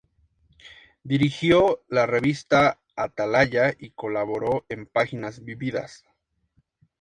Dirigió la revista "Atalaya" y colaboró en "Páginas Vividas".